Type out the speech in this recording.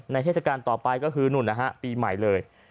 เทศกาลต่อไปก็คือนู่นนะฮะปีใหม่เลย